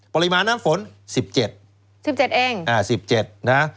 ปริมาณน้ำฝน๑๗มิลลิเมตร